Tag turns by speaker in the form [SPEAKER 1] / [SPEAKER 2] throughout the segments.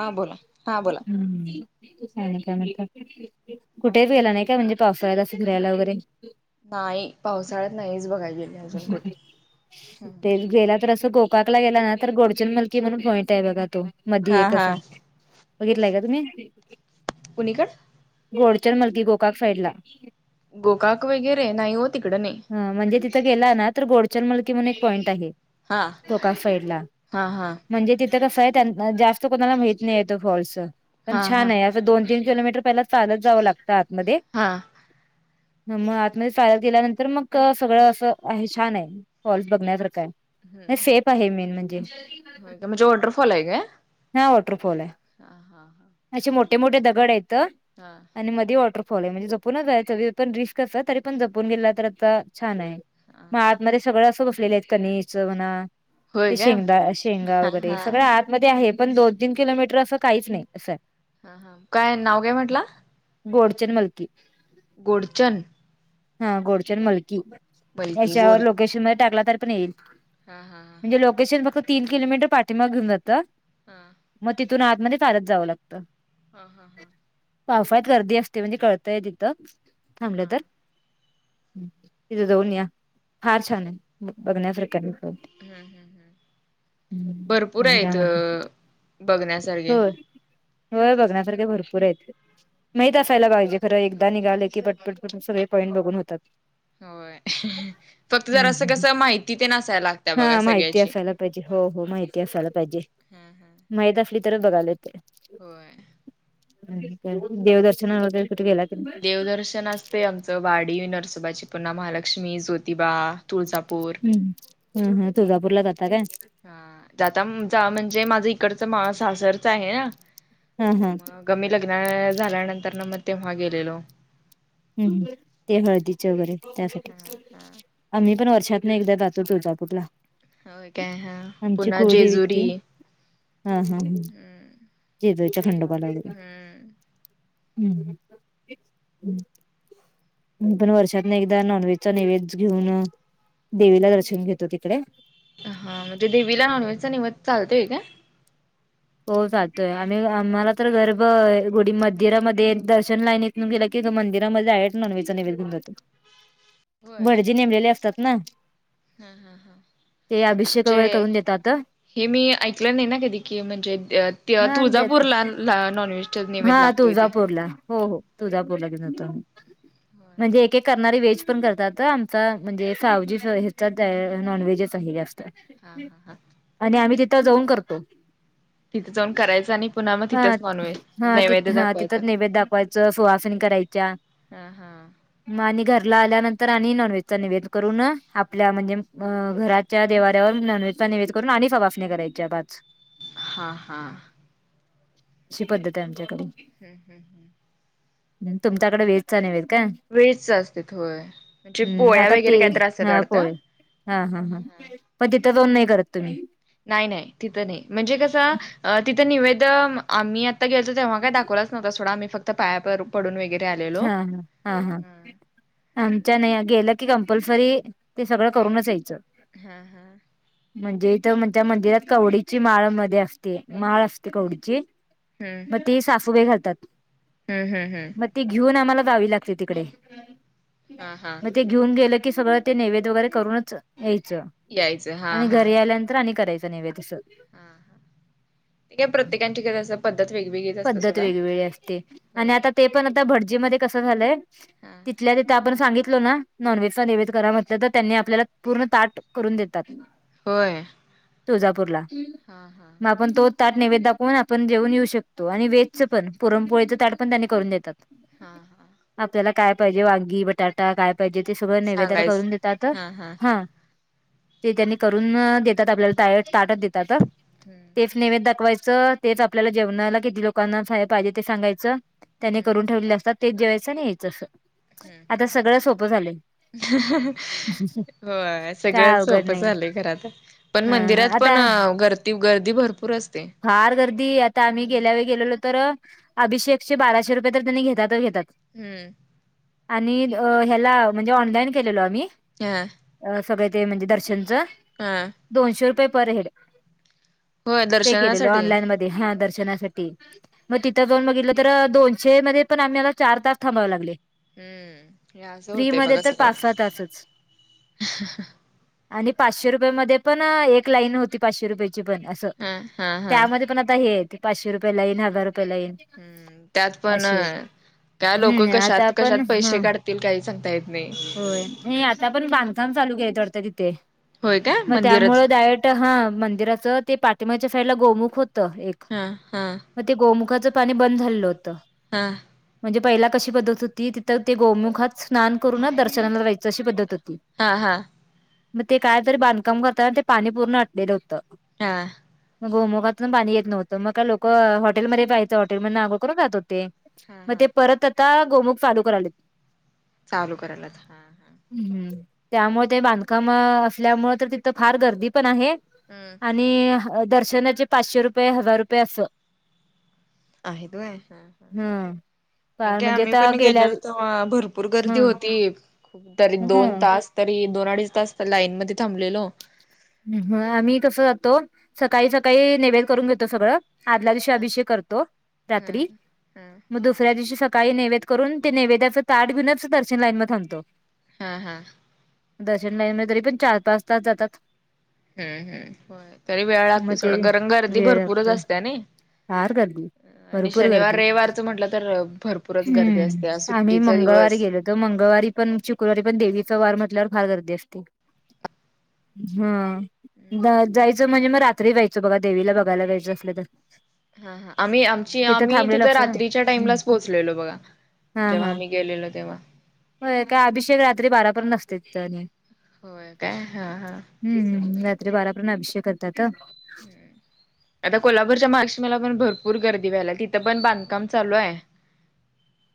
[SPEAKER 1] हा बोला हा बोला
[SPEAKER 2] हम्म. चा ना का का कुठेहीिला नाही का म्हणजे पावसा्यात असं फिरायला वगैरे?
[SPEAKER 1] नाही पावसाळ्यात नाहीच बघायचे.
[SPEAKER 2] टेल. गेला तर असं गोकाकला गेला ना तर गोडचन मलकी म्हणून पॉईंट आहे बघा तो. मधी
[SPEAKER 1] हा
[SPEAKER 2] एक
[SPEAKER 1] हा
[SPEAKER 2] असा बघितलंय का तुम्ही?
[SPEAKER 1] कुणीकड
[SPEAKER 2] गोडचन मलकी गोकाक साईडला
[SPEAKER 1] गोकाक वगैरे नाही हो तिकड नाही.
[SPEAKER 2] ह म्हणजे तिथं गेला ना तर गोडचल मलकी म्हण एक पॉईंट आहे.
[SPEAKER 1] हा
[SPEAKER 2] गोकाक साईडला.
[SPEAKER 1] हा हा
[SPEAKER 2] म्हणजे तिथं कसं आहे जास्त कोणाला माहित नाही य फॉल्स पण
[SPEAKER 1] हा हा
[SPEAKER 2] छान आहे. दोन तीन किलोमीटर पहिले चालत जावं लागतं आतमध्ये.
[SPEAKER 1] हा
[SPEAKER 2] ह मग आतमध्ये चालत केल्यानंतर मग सगळं अस. का छान आहे फॉल्स बघण्यास काय. नाही सेप आहे मेन म्हणजे.
[SPEAKER 1] होय का म्हणजे वॉटरफॉल आहे काय
[SPEAKER 2] हा वॉटरफॉल आहे
[SPEAKER 1] हा हा हा
[SPEAKER 2] असे मोठे मोठे दगड आहेतेत.
[SPEAKER 1] हा.
[SPEAKER 2] आणि मध्ये वॉटरफॉल आहे म्हणजे जपूनच आहे त पण रिस्क अस तरी पण जपून गेला तर आता छान आहे. मग आतमध्येध्ये सगळं असं बसलेलं आहेत कनच म्हणा.
[SPEAKER 1] होय
[SPEAKER 2] ते
[SPEAKER 1] काय
[SPEAKER 2] शेंगदा शेंगा
[SPEAKER 1] हा
[SPEAKER 2] वगैरे
[SPEAKER 1] हा
[SPEAKER 2] सगळ आत. मध्ये आहे पण दोन तीन किलोमीटर असं काहीच नाही असं.
[SPEAKER 1] हा हा काय नाव काय म्हटलं.
[SPEAKER 2] गोडचन मलकी.
[SPEAKER 1] गोडचन.
[SPEAKER 2] हा गोडचंद मलकी
[SPEAKER 1] बलकी गोड
[SPEAKER 2] याच्यावर लोकेशन मध्ये टाकला तरी पण येईल.
[SPEAKER 1] हा हा हा.
[SPEAKER 2] शन फक तीन किलोमीटर पाठीमाग घेऊन जातं.
[SPEAKER 1] हा
[SPEAKER 2] मग तिथून आतमध्ये चालत जावं लागतं.
[SPEAKER 1] हा हा हा.
[SPEAKER 2] वाफत गर्दी असते म्हणजे कळतय तिथं थांबलं
[SPEAKER 1] हा
[SPEAKER 2] तर. हम्म इ दौन्या फार छान आहे बग्न आफ्रिका.
[SPEAKER 1] हम्म हम्म भरपूर
[SPEAKER 2] आणि काय
[SPEAKER 1] आहेत
[SPEAKER 2] म्हणत
[SPEAKER 1] बघण्यासारखे.
[SPEAKER 2] हो बघण्यासारखे भरपूर आहेत माहित असायला पाहिजे खरं एकदा निघाले की पटपटपटून सगळे पॉईंट बघून होतात
[SPEAKER 1] होय फक्त जरासं कस माहिती ते असायला लागत बघा
[SPEAKER 2] हा माहिती
[SPEAKER 1] सगळ्याची
[SPEAKER 2] असायला पाहिजे हो हो माहिती असायला पाहिजे
[SPEAKER 1] हम् हम्
[SPEAKER 2] माहित असली तर बघायला येतय
[SPEAKER 1] होय
[SPEAKER 2] देवदर्शनाला तेन कुठे गेलात
[SPEAKER 1] देवदर्शन असते आमचं वाडी नरसोबाची पुन्हा महालक्ष्मी ज्योतिबा तुळजापूर
[SPEAKER 2] हम् हम्म हम तुळजापूरला जाता काय
[SPEAKER 1] जाता म्हणजे माझं इकडच माळ सासरच आहे ना
[SPEAKER 2] हा हा
[SPEAKER 1] मग कमी लग्न झाल्यानंतर ना मग तेव्हा गेलेलो
[SPEAKER 2] हम् ते हळदीचे वगैरे त्यासाठी
[SPEAKER 1] हा हा
[SPEAKER 2] आम्ही पण वर्षातुन एकदा जातो तुळजापूरला
[SPEAKER 1] हो काय हा
[SPEAKER 2] आमची
[SPEAKER 1] पुन्हा
[SPEAKER 2] कुळदेवी
[SPEAKER 1] जेजुरी
[SPEAKER 2] ते हा हा ह
[SPEAKER 1] हम्म
[SPEAKER 2] जेजुरीच्या खंडोपाला
[SPEAKER 1] हम्म
[SPEAKER 2] हम् हम् पण वर्षात ना एकदा नॉनव्हेजचा नैवेद्य घेऊन देवीला दर्शन घेतो तिकडे
[SPEAKER 1] हा म्हणजे देवीला नॉनवेज चा नैवेद्य चालतोय का
[SPEAKER 2] हो चालतोय आम्ही आम्हाला तर गर्भ गुडी मंदिरामध्ये दर्शन लायनित न गेलं की मंदिरामध्ये डायरेक्ट नॉनव्हेज नैवेद्य घेऊन जातात
[SPEAKER 1] हम्
[SPEAKER 2] भटजी नेमलेले असतात ना ते अभिषेक वगैरे
[SPEAKER 1] म्हणजे
[SPEAKER 2] करून देतात
[SPEAKER 1] हे मी ऐकलं नाही ना कधी की म्हणजे
[SPEAKER 2] हा देत
[SPEAKER 1] तुळजापूरला नॉनव्हेजच्या
[SPEAKER 2] हा
[SPEAKER 1] नैवेद्य लागतोय तेे
[SPEAKER 2] तुळजापूरला हो हो तुळजापूरला घेऊन जातो आम्ही म्हणजे
[SPEAKER 1] हा
[SPEAKER 2] एक एक करणारी व्हेज पण करतात आमचा म्हणजे सावजी हचा नॉन व्हेजचा आहेत
[SPEAKER 1] हा हा हा
[SPEAKER 2] आणि आम्ही तिथं जाऊन करतो
[SPEAKER 1] तिथे जाऊन करायचं आणि पुन्हा मग
[SPEAKER 2] हा
[SPEAKER 1] तिथंच नॉनव्हेज
[SPEAKER 2] हा तिथ
[SPEAKER 1] नैवेद्य
[SPEAKER 2] हा
[SPEAKER 1] दाखवायचा.
[SPEAKER 2] तिथं नैभद दाखवायचं सुहासनी करायच्या
[SPEAKER 1] हा हा
[SPEAKER 2] आणि घरला आल्यानंतर आणि नॉनव्हेज चा निवेद करून आपल्या म्हणजे घरात त्या देवाऱ्यावर नॉन व्हेज चा‌ नैवेद्य करून आणि सवाहनी वाडायच्या पाच
[SPEAKER 1] हां हां
[SPEAKER 2] अशी पद्धत आहे आमच्याकडे
[SPEAKER 1] हम् हम् हम्
[SPEAKER 2] तुमच्याकडे व्हेज चा नैवेद्य काय
[SPEAKER 1] व्हेज चा असते होय म्हणजे
[SPEAKER 2] हम्म
[SPEAKER 1] पोळ्या
[SPEAKER 2] आता
[SPEAKER 1] वगैरे
[SPEAKER 2] ते
[SPEAKER 1] काहीतर असतात
[SPEAKER 2] हा
[SPEAKER 1] वाढतं.
[SPEAKER 2] पोळे हा हा हा मग तिथं जावुन नाही करत तुम्ही,
[SPEAKER 1] नाही नाही तिथं नाही म्हणजे कसं तिथं निवेद आम्ही आता गेलो तेव्हा का दावलाच न्हता सोडा आ् फक्त पाया पडुन वगरे आलेो.
[SPEAKER 2] हा हा हा हा आमच्या नाही गेलं की कंपल्सरी ते सगळं करूनच यायचं.
[SPEAKER 1] हा हा
[SPEAKER 2] म्हणजे इथ म्हणच्या मंदिरात कवडीची माळ मध्ये असते माळ असते ते कवडीची
[SPEAKER 1] हम्म
[SPEAKER 2] मग तेी सासुबाई घालतात.
[SPEAKER 1] हम्म हम् हम्!
[SPEAKER 2] मग ती घेऊन आम्हाला जावी लागते तिकडे.
[SPEAKER 1] हम हम!
[SPEAKER 2] मग ते घेऊन गेलं की सगळं ते नैवेद वगैरे करूनच यायचं.
[SPEAKER 1] यायचं हा
[SPEAKER 2] आणि
[SPEAKER 1] हा
[SPEAKER 2] घरी
[SPEAKER 1] हा
[SPEAKER 2] आल्यानंतर आणि करायचं नैवेद्याचं.
[SPEAKER 1] ते काय प्रत्येकांची [inaudible] असं पद्धत वेगवेगळी
[SPEAKER 2] पद्धत वेगवेगळी असते आणि आता ते पण आता भटजी मध्ये कसं झालंय
[SPEAKER 1] हा
[SPEAKER 2] तिथल्या तिथं आपण सांगितलो ना नॉनव्हेजचा नैवेद करा म्हटलं तर, त्यांनी आपल्याला पूर्ण ताट करून देतात.
[SPEAKER 1] होय!
[SPEAKER 2] तुळजापूरला
[SPEAKER 1] हा हा
[SPEAKER 2] मग आपण तोच ताट नैवेद दाखवून आपण जेऊन येऊ शकतो आणि वेजच पण पुरणपोळीचं ताट पण त्यांनी करून देतात.
[SPEAKER 1] हा!
[SPEAKER 2] आपल्याला काय पाहिजे वांगी, बटाटा काय पाहिजे? ते सगं नैवेदाला
[SPEAKER 1] सांगायच
[SPEAKER 2] करून देतातात.
[SPEAKER 1] हा
[SPEAKER 2] हा! ते त्यांनी करून देतात आपल्याला डायरेक्ट ताटचं देतात.
[SPEAKER 1] [inaudible]
[SPEAKER 2] तेच नैवेद्य दाखवायचं तेच आपल्याला जेवणाला किती लोकांना पाहिजे ते सांगायचं. त्यांनी करून ठेवले असतात तेच जेवायचं आणि यायचं. आता सगळं सोपं झालंय.
[SPEAKER 1] होय सगळं
[SPEAKER 2] काय अवघड
[SPEAKER 1] सोपं
[SPEAKER 2] नाही
[SPEAKER 1] झालंय खरं आता. पण
[SPEAKER 2] ह
[SPEAKER 1] मंदिरात
[SPEAKER 2] आता
[SPEAKER 1] पण गर्दीगर्दी भरपूर असते.
[SPEAKER 2] फार गर्दी आता आम्ही गेल्या वेळी गेलेलो तर अभिषेकचे बाराशे रुपये तर त्यांनी घेतातच घेतात
[SPEAKER 1] हम्म!
[SPEAKER 2] आणि ह्याला म्हणजे ऑनलाईन केलेलो आम्ही
[SPEAKER 1] हा!
[SPEAKER 2] अ सगळे ते म्हणजे दर्शनचं.
[SPEAKER 1] हा!
[SPEAKER 2] दोनशे रुपये पर हेड.
[SPEAKER 1] होय
[SPEAKER 2] ते केलेल
[SPEAKER 1] दर्शनासाठी
[SPEAKER 2] ऑनलाईन मध्ये हा दर्शनासाठी. मग तिथं जाऊन बघितलं तर दोनशे मध्ये पण आम्हाला चार तास थांबावे लागले.
[SPEAKER 1] हम्म हे असं
[SPEAKER 2] फ्री
[SPEAKER 1] होतंय
[SPEAKER 2] मध्ये
[SPEAKER 1] बघा
[SPEAKER 2] तर
[SPEAKER 1] सगळं
[SPEAKER 2] पाच-सहा तासचं आणि पाचशे रुपये मध्ये पण एक लाईन होती पाचशे रुपयाेची पण असं
[SPEAKER 1] हम्म हा! हा
[SPEAKER 2] त्यामध्ये पण आता हे पाचशे रुपये लाईन हजार रुपये लाईन.
[SPEAKER 1] त्यात पण
[SPEAKER 2] अशी आहेत.
[SPEAKER 1] काय लोक
[SPEAKER 2] हम्म आता
[SPEAKER 1] कशात कशात
[SPEAKER 2] पण
[SPEAKER 1] पैसे
[SPEAKER 2] ह
[SPEAKER 1] काढ -तील काही सांगता येत नाही.
[SPEAKER 2] नाही आता पण बांधकाम चालू केलेत वाटतं तिथे
[SPEAKER 1] होय काय
[SPEAKER 2] मग
[SPEAKER 1] मंदिराच
[SPEAKER 2] त्यामुळे डायरेक्ट हा, मंदिराचं ते पाटिमागच्या साइडला गोमुख होतं एक
[SPEAKER 1] हा हा!
[SPEAKER 2] मग ते गोमुखाचं पाणी बंद झालेलं होतं.
[SPEAKER 1] हम्म!
[SPEAKER 2] म्हणजे पहिला कशी पद्धत होती तिथं ते गोमुखात स्नान करूनच दर्शनाला जायचं अशी पद्धत होती.
[SPEAKER 1] हा हा!
[SPEAKER 2] मग ते काय तरी बांधकाम करता आणि ते पाणी पूर्ण अटलेलं होतं
[SPEAKER 1] हा.
[SPEAKER 2] मग गोमखातून पाणी येत नव्हतं मग काय लोकं हॉटेलमध्ये जायचं हॉटेलमधन अंघोळ करून जात होते
[SPEAKER 1] हा
[SPEAKER 2] मग
[SPEAKER 1] हा
[SPEAKER 2] ते परत आता गोमुख चालू करालेत
[SPEAKER 1] चालू करायल्यात हा
[SPEAKER 2] हम हम त्यामुळे ते बांधकाम असल्यामुळे तर तिथं फार गर्दी पण आहे
[SPEAKER 1] हम्म
[SPEAKER 2] आणि दर्शनाचे पाचशे रुपये हजार रुपये अस
[SPEAKER 1] आहेत व्हय मी काय
[SPEAKER 2] म्हणजे
[SPEAKER 1] आम्ही
[SPEAKER 2] आता
[SPEAKER 1] पण
[SPEAKER 2] गेल्या
[SPEAKER 1] गेलेलो तेव्हा ह भरपूर गर्दी
[SPEAKER 2] हम्म
[SPEAKER 1] होती खूप तरी दोन
[SPEAKER 2] हम्म
[SPEAKER 1] तास तरी दोन अडीच तास तर लाईन मध्ये थांबलेलो
[SPEAKER 2] ह ह आम्ही कसं जातो सकाळी सकाळी नैवेद्य करून घेतो सगळं आदल्या दिवशी अभिषेक करतो रात्री
[SPEAKER 1] हम्म हम्म
[SPEAKER 2] मग दुसऱ्या दिवशी सकाळी नेवेद्य करून ते नैवेद्याच ताट घेऊच दर्शन लाईन मध्ये थांबतो
[SPEAKER 1] हा हा.
[SPEAKER 2] दर्शन लाईन मध्ये तरी पण चार पाच तास जातात
[SPEAKER 1] हम हम.. व्हय. तरी वेळ
[SPEAKER 2] मग
[SPEAKER 1] लागतोय
[SPEAKER 2] ते
[SPEAKER 1] सोडा कारण गर्दी
[SPEAKER 2] वेळ
[SPEAKER 1] भरपूरच
[SPEAKER 2] लागतोय
[SPEAKER 1] असत्या नाही
[SPEAKER 2] फार गर्दी
[SPEAKER 1] आणि
[SPEAKER 2] भरपूर
[SPEAKER 1] शनिवार
[SPEAKER 2] गर्दी.
[SPEAKER 1] रविवारचं म्हटलं तर भरपूरच गर्दी
[SPEAKER 2] हम्म!
[SPEAKER 1] असते आज
[SPEAKER 2] आम्ही
[SPEAKER 1] सुट्टीचा
[SPEAKER 2] मंगळवारी
[SPEAKER 1] दिवस
[SPEAKER 2] गेलोलो. तर मंगळवारी पण शुक्रवारी पण देवीचा वार म्हटल्यावर फार गर्दी असते. हा जायचं म्हणजे मग रात्री जायच बघा देवीला बघायला जायचं असलं तर
[SPEAKER 1] हा हा आम्ही आमची आम्ही
[SPEAKER 2] थांबलेलं
[SPEAKER 1] तिथं
[SPEAKER 2] असतं ना
[SPEAKER 1] रात्रीच्या
[SPEAKER 2] हम्म.
[SPEAKER 1] टाइमलाच पोहोचलेलो बघा
[SPEAKER 2] हा
[SPEAKER 1] जेव्हा
[SPEAKER 2] हा
[SPEAKER 1] आम्ही गेलेलो तेव्हा
[SPEAKER 2] होय काय अभिषेक रात्री बारापर्यंत असते तिथ आणि
[SPEAKER 1] होय काय? हा हा..
[SPEAKER 2] हम् हम् रात्री बारापर्यंत अभिषेक करतात
[SPEAKER 1] हम्म. आता कोल्हापूरच्या महालक्ष्मी पण भरपूर गर्दी व्हायला तिथं पण बांधकाम चालू आहे हम.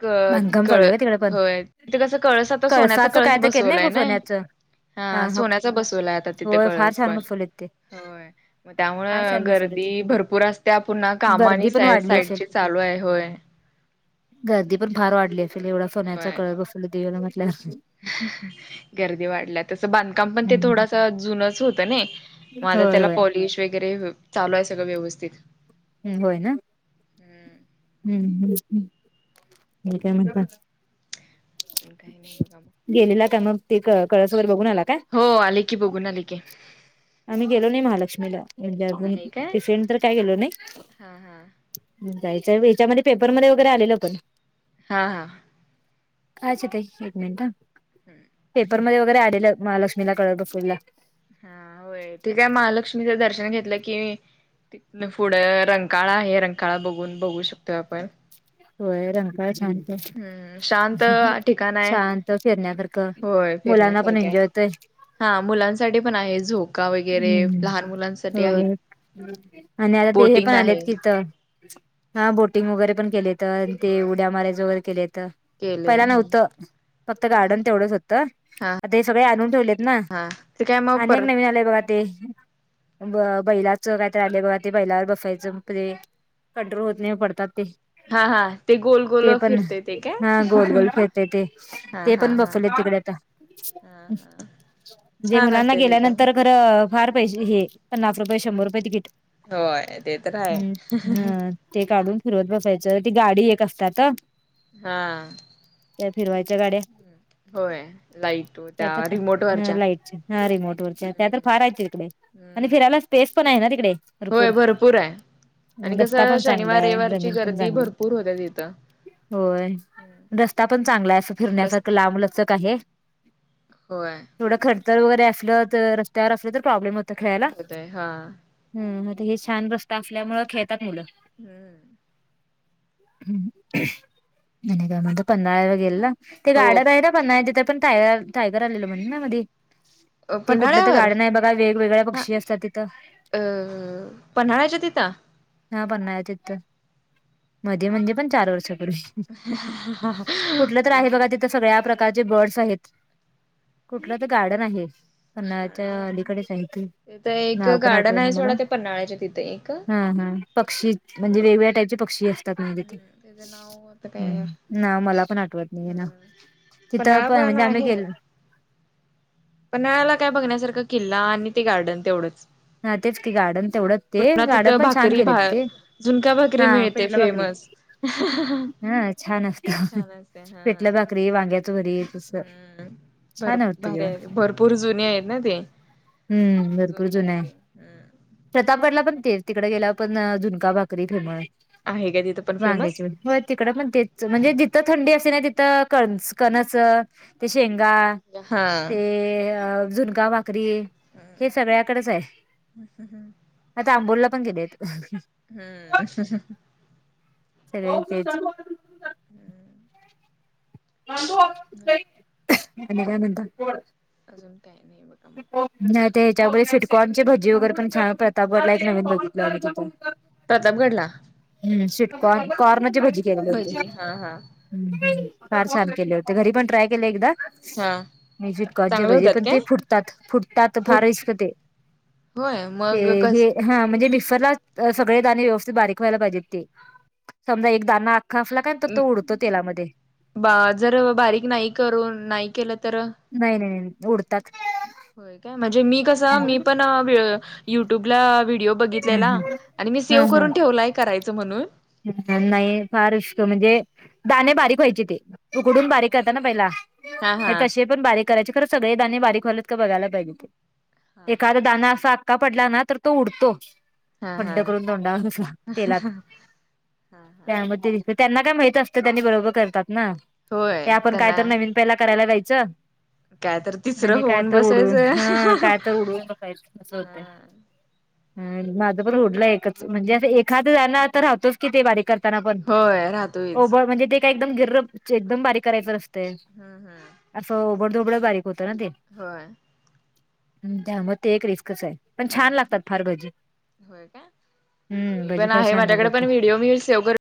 [SPEAKER 1] क
[SPEAKER 2] बांधकाम
[SPEAKER 1] कळ
[SPEAKER 2] चालू आहे का तिकडे परत
[SPEAKER 1] होय तिथे कस कळस आता सोन्याचा
[SPEAKER 2] कळसाचं
[SPEAKER 1] कळस
[SPEAKER 2] काय तर केलं
[SPEAKER 1] बसवलाय
[SPEAKER 2] गं
[SPEAKER 1] नाही
[SPEAKER 2] सोन्याचं
[SPEAKER 1] हा सोन्याचा बसवला आता तिथे
[SPEAKER 2] होय फार
[SPEAKER 1] कळस
[SPEAKER 2] छान
[SPEAKER 1] पण
[SPEAKER 2] बसवलेत ते
[SPEAKER 1] होय म त्या
[SPEAKER 2] फार
[SPEAKER 1] त्यामुळं
[SPEAKER 2] छान बसवलेत
[SPEAKER 1] गर्दी भरपूर असत्या पुन्हा काम आणि
[SPEAKER 2] गर्दी पण
[SPEAKER 1] साई
[SPEAKER 2] वाढली असेल
[SPEAKER 1] साईडची चालू आहे. होय.
[SPEAKER 2] गर्दी पण फार वाढली असेल एवढा सोन्याचा
[SPEAKER 1] होय
[SPEAKER 2] कळस बसवलाय देवीला म्हटल्यावर
[SPEAKER 1] गर्दी वाढल्या तसं बांधकाम पण ते
[SPEAKER 2] हम्म
[SPEAKER 1] थोडासा जुनच होतं नाही मग आता
[SPEAKER 2] होय
[SPEAKER 1] त्याला
[SPEAKER 2] होय
[SPEAKER 1] पॉलिश वगैरे चालू आहे सगळं व्यवस्थित
[SPEAKER 2] हम् होय ना.
[SPEAKER 1] हम्म
[SPEAKER 2] हम्म हम्म हं. आणि काय म्हणता?
[SPEAKER 1] अजून काही नाही बघा मग
[SPEAKER 2] गेलेला का मग ते क कळसवर बघून आला काय?
[SPEAKER 1] हो आले की बघून आली की.
[SPEAKER 2] आम्ही गेलो नाही महालक्ष्मीला, इंडिहून
[SPEAKER 1] नाही काय
[SPEAKER 2] टिफिन तर काय गेलो नाही
[SPEAKER 1] हा हा
[SPEAKER 2] जायचं याच्यामध्ये पेपरमध्ये वगैरे आलेलं पण
[SPEAKER 1] हा हा.
[SPEAKER 2] हा अच्छा ताई. एक मिनट हं.
[SPEAKER 1] हम्म.
[SPEAKER 2] पेपरमध्ये वगैरे आलेलं महालक्ष्मीला कळस बसवलेला.
[SPEAKER 1] हा होय. ते काय महालक्ष्मीचं दर्शन घेतलं कि तितन पुढं रंकाळा आहे, रंकाळा बघून बघू शकतो आपण
[SPEAKER 2] होयं रे जरां शांत.
[SPEAKER 1] हम्म शांत ठिकाण आहे
[SPEAKER 2] शांत फिरण्यांसारखं मुलांना पणं एन्जॉय ते.
[SPEAKER 1] हां मुलांसाठी पणं आहे झोकां वगैरें लहांन मुलांसाठी आहेतं.
[SPEAKER 2] हो की नाहीं आणि आंता ते हे पणं आलेत की हितं. हां बोटिंग वगैरें पणं केलेत तं ते
[SPEAKER 1] होय
[SPEAKER 2] उड्यां मारायचं वगैरें केले. ते.
[SPEAKER 1] केले
[SPEAKER 2] पहिलां नव्हतं. फक्तं
[SPEAKER 1] हा
[SPEAKER 2] गार्डन तेवढंच होतं. आंता हे सगळे आंणून ठेवलेत नां.
[SPEAKER 1] हां. ते कायं मं
[SPEAKER 2] अनेक नवीन आलेय बघां ते. बं बैलाच कायते आले बघां ते बैलांवर बसांय जं पले. कंट्रो होतं नाहीं वो पडतांत ते.
[SPEAKER 1] हां हां. ते गोलं
[SPEAKER 2] ते
[SPEAKER 1] गोलं
[SPEAKER 2] पण
[SPEAKER 1] फिरते ते
[SPEAKER 2] हा गोल
[SPEAKER 1] कायं.
[SPEAKER 2] गोल फिरतय ते
[SPEAKER 1] हां
[SPEAKER 2] ते
[SPEAKER 1] हां
[SPEAKER 2] पण
[SPEAKER 1] हां.
[SPEAKER 2] बसवले
[SPEAKER 1] हां हां.
[SPEAKER 2] म्हणजे मुलांना गेल्यानंतर खरं फांर पैसे हे पन्नास रुपये, शंभर रुपये तिकीट.
[SPEAKER 1] होयं. ते तरं
[SPEAKER 2] हम्म
[SPEAKER 1] हांय.
[SPEAKER 2] हा ते काढूंन फीरवंत बसायचं. ती गांडी एक असतांत.
[SPEAKER 1] हां.
[SPEAKER 2] त्यां फिरवांयच्या गाड्यां.
[SPEAKER 1] होयं. लाईट व त्यां रिमोट वरच्यां.
[SPEAKER 2] हां रिमोट वरच्यां. त्यां तर फांर हांय तिकडे आणि फिरांयला स्पेस पणं आहे नां तिकडे. भरपूर
[SPEAKER 1] होयं भरंपूर आहे. आणि
[SPEAKER 2] रस्ता
[SPEAKER 1] कसं
[SPEAKER 2] पण चांगला
[SPEAKER 1] शनिवार
[SPEAKER 2] आहे
[SPEAKER 1] रवीवारची गर्दी भरंपूर होत्यां तिथं.
[SPEAKER 2] होयं. रस्तां पणं चांगला आहे असं फिरण्यांसारखं लांबलचक आहे.
[SPEAKER 1] होयं.
[SPEAKER 2] थोडं खडतरं वगैरें असलं तरं रस्त्यांवर असलं तरं प्रॉब्लेम होतं खेळांयला.
[SPEAKER 1] होतय हा
[SPEAKER 2] हं. आंता हे छान रस्तां असल्यामुंळ खेळतांत मुलं.
[SPEAKER 1] हम्मं.
[SPEAKER 2] हं. आणि कां म्हंण पन्हाळांवर गेलला. ते
[SPEAKER 1] हो
[SPEAKER 2] गाड्यांत जाई पन्हांळा तिथे पणं टांयर टांयगर आलेलो म्हंण नां मधे. ते कुंठलं तरं
[SPEAKER 1] पन्हाळ्यावर
[SPEAKER 2] गार्डन आहे बघां वेगवेगळ्या
[SPEAKER 1] हा
[SPEAKER 2] पक्षी असतांत तिथं.
[SPEAKER 1] पन्हाळ्यांच्या तिथं.
[SPEAKER 2] हां पन्हाळ्यांच्या चितं. मध्यें म्हणजे पणं चार वर्षापूर्वी. कुठलं तरं आहे बघां तिथं सगळ्यां प्रका कांचे बर्ड्स आहेतं. कुंठलं तरं गार्डन आहे. पन्हाळ्यांच्या
[SPEAKER 1] गार्डन
[SPEAKER 2] अलीकडे सांगित
[SPEAKER 1] तिथं एक गार्डन आहे सोडां ते पन्हाळ्यांच्या तिथे एक.
[SPEAKER 2] हां हां. पक्षी म्हणजे वेगळ्यां टाईपचे पक्षी असतांत म्हणजे तिथे.
[SPEAKER 1] हम्म त्याचं नाव आता काय
[SPEAKER 2] हम्मं. नां मलां पणं आठवतं नाहीं आहे नां
[SPEAKER 1] हम्म
[SPEAKER 2] तिथं
[SPEAKER 1] पन्हाळा
[SPEAKER 2] पणं
[SPEAKER 1] पण
[SPEAKER 2] म्हणजे आम्हीं गेलो
[SPEAKER 1] पणं नळलां कायं बघण्यांसारखं किल्ला आणि ते गार्डन तेवढंच
[SPEAKER 2] हां तेचं की गार्डन तेवढंच ते
[SPEAKER 1] पुन्हा
[SPEAKER 2] गार्डन
[SPEAKER 1] तिथं
[SPEAKER 2] पणं छान
[SPEAKER 1] भाकरी भा
[SPEAKER 2] केलेत ते
[SPEAKER 1] झुणका भाकरी
[SPEAKER 2] हां
[SPEAKER 1] मिळते
[SPEAKER 2] पिटलं बाकरी
[SPEAKER 1] फेमस
[SPEAKER 2] हां छान असतं
[SPEAKER 1] छान असते हा
[SPEAKER 2] पिठलं भाकरी वांग्याच भरीतं असं
[SPEAKER 1] हम्म
[SPEAKER 2] छान होतिकव
[SPEAKER 1] पूंर जुनें आहेतं नां ते
[SPEAKER 2] हम्म भरपूर
[SPEAKER 1] जुने
[SPEAKER 2] जुनं आहे
[SPEAKER 1] ते हम्म
[SPEAKER 2] प्रतापगडला पण ते तिकडे गेला पण झुणका भाकरी फेमस
[SPEAKER 1] आहे का तिथं पण
[SPEAKER 2] वांग्याची
[SPEAKER 1] फेमस
[SPEAKER 2] होय तिकड पण तेच म्हणजे जिथं थंडी असते ना तिथं कण कणस ते शेंगा
[SPEAKER 1] हा
[SPEAKER 2] ते अ झुणका भाकरी हे सगळ्याकडेच आहे
[SPEAKER 1] [inaudible]
[SPEAKER 2] आता आंबोलला पण गेलेत
[SPEAKER 1] हम्म
[SPEAKER 2] [unintelligible]
[SPEAKER 1] [unintelligible]
[SPEAKER 2] आणि काय म्हणता?
[SPEAKER 1] अजून काय नाही बघा. मग
[SPEAKER 2] नाही ते हच्यामुळे स्वीटकॉर्न ची भजी वगैरे पण छान प्रतापवरला एक नवीन बघितलं तिथून
[SPEAKER 1] प्रतापगडला?
[SPEAKER 2] हम् स्वीटकॉर्न कॉर्नची भजी केलेली होती.
[SPEAKER 1] भजी हा हा
[SPEAKER 2] ह फार छान केले होते, घरी पण ट्राय केले एकदा
[SPEAKER 1] हा
[SPEAKER 2] मी स्वीटकॉर्न चे
[SPEAKER 1] चांगले
[SPEAKER 2] भाजे
[SPEAKER 1] होतात
[SPEAKER 2] पण
[SPEAKER 1] काय
[SPEAKER 2] ते फु तात फुटतात फार
[SPEAKER 1] फूड
[SPEAKER 2] रिस्क ते
[SPEAKER 1] होय
[SPEAKER 2] ते
[SPEAKER 1] मग कस
[SPEAKER 2] हे हा म्हणजे मिक्सरलाच सगळे दाणे व्यवस्थित बारीक व्हायला पाहिजेत ते समजा एक दाना आख्खा असला काय तर तो उडतो तेलामध्ये
[SPEAKER 1] बाजर बारीक नाही करून नाही केलं तर?
[SPEAKER 2] नाही नाही नाही उडतात हम्म
[SPEAKER 1] होय काय म्हणजे मी कस मी पण युट्यूबला व्हिडिओ बघितलेला आणि मी सेव
[SPEAKER 2] हम्म
[SPEAKER 1] करून ठेवलाय करायचं म्हणून
[SPEAKER 2] नाही फार उष्क म्हणजे दाणे बारीक व्हायचे ते उकडून बारीक करतात ना पहिला
[SPEAKER 1] हा
[SPEAKER 2] हे
[SPEAKER 1] हा
[SPEAKER 2] तसे पण बारीक करायचे खरं सगळे दाणे बारीक व्हायलात का बघायला पाहिजे ते एखादा दाना असा अख्खा पडला ना तर तो उडतो
[SPEAKER 1] हा हा
[SPEAKER 2] पट्टा करून तोंडावर कस तेलात त्यामध्ये दिस त्यांना काय माहित असतं त्यांनी बरोबर करतात ना ते
[SPEAKER 1] होय
[SPEAKER 2] आपण काय
[SPEAKER 1] त्यांना
[SPEAKER 2] तर नवीन ल्याला करायला जायचं
[SPEAKER 1] काय तर तिसरं
[SPEAKER 2] आणि काय
[SPEAKER 1] होऊन
[SPEAKER 2] तर उडून
[SPEAKER 1] बसायचं
[SPEAKER 2] हा काय तर उडवून बघायचं अस होतय माझं पण ओढलंय एकच म्हणजे असं एखाद जाणार तर राहतोच कि ते बारीक करताना पण
[SPEAKER 1] होय राहतोच
[SPEAKER 2] ओब म्हणजे ते काय एकदम गिर एकदम बारीक करायच नसते
[SPEAKER 1] हम् हम्
[SPEAKER 2] असं ओबड धोबड बारीक होतं ना ते
[SPEAKER 1] होय
[SPEAKER 2] हम्म त्यामुळे ते एक रिस्कच आहे पण
[SPEAKER 1] हम्म
[SPEAKER 2] छान लागतात फार भजी
[SPEAKER 1] होय का
[SPEAKER 2] हम्म
[SPEAKER 1] मी
[SPEAKER 2] भजी
[SPEAKER 1] पण
[SPEAKER 2] तर
[SPEAKER 1] आहे
[SPEAKER 2] छान
[SPEAKER 1] माझ्याकडे
[SPEAKER 2] लागत
[SPEAKER 1] पण
[SPEAKER 2] ते
[SPEAKER 1] व्हिडिओ मी सेव्ह करून